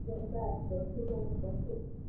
总部设在东京都涩谷。